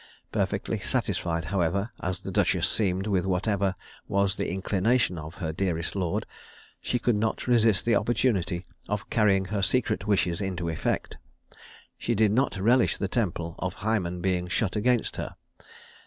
Perfectly satisfied, however, as the duchess seemed with whatever was the inclination of her dearest lord, she could not resist the opportunity of carrying her secret wishes into effect. She did not relish the temple of Hymen being shut against her.